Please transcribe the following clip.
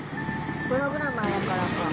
プログラマーやからか。